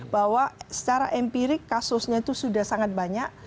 bahwa secara empirik kasusnya itu sudah sangat banyak